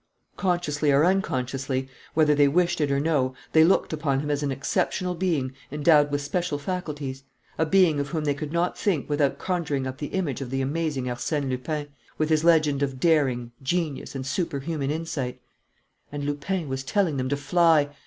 Consciously or unconsciously, whether they wished it or no, they looked upon him as an exceptional being endowed with special faculties, a being of whom they could not think without conjuring up the image of the amazing Arsène Lupin, with his legend of daring, genius, and superhuman insight. And Lupin was telling them to fly.